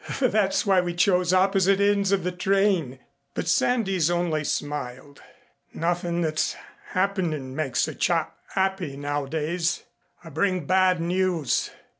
That's why we chose opposite ends of the train." But Sandys only smiled. "Nothing that's happening makes a chap happy nowadays. I bring bad news."